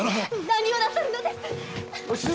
何をなさるのです。